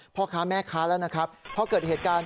พ่อค้าแม่ค้าแล้วนะครับพอเกิดเหตุการณ์